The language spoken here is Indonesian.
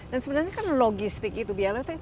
dan sebenarnya kan logistik itu biar